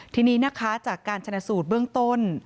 ทีนี้นะคะจากการชนะสูตรเบื้องต้น